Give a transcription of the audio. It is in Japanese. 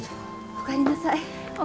おかえりなさい。